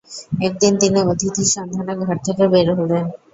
একদিন তিনি অতিথির সন্ধানে ঘর থেকে বের হলেন।